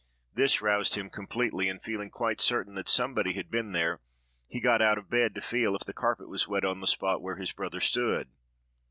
This roused him completely, and feeling quite certain that somebody had been there, he got out of bed to feel if the carpet was wet on the spot where his brother stood.